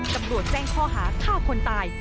ตำรวจแจ้งข้อหาฆ่าคนตาย